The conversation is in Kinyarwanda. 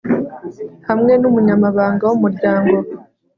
hamwe n umunyamabanga w umuryango